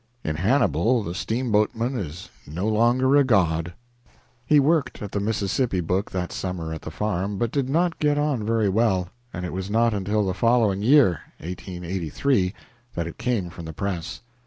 In Hannibal the steamboatman is no longer a god." He worked at the Mississippi book that summer at the farm, but did not get on very well, and it was not until the following year (1883) that it came from the press.